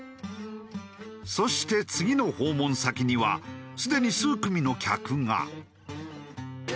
そして次の訪問先にはすでに数組の客が。